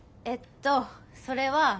えっとそれは。